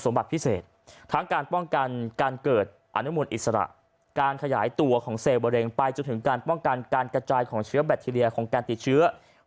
พิเศษทั้งการป้องกันการเกิดอนุมูลอิสระการขยายตัวของเซลล์มะเร็งไปจนถึงการป้องกันการกระจายของเชื้อแบคทีเรียของการติดเชื้อ